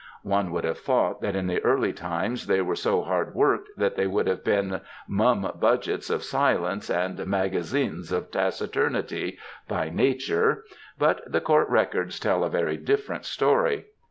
One would have thought that in the early times they were so hard worked that they would have been *^ mum budgets of silence '^ and *^ maggazines of tacitumitie ^ by nature, but the court records tell a very difi*erent story.